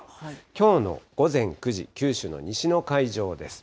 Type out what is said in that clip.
きょうの午前９時、九州の西の海上です。